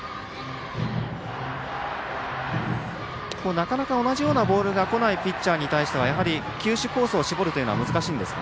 なかなか同じようなボールがこないようなピッチャーに対しては球種、コースを絞るのは難しいんですか？